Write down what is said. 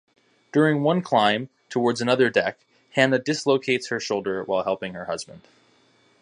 During one climb towards another deck, Hannah dislocates her shoulder while helping her husband.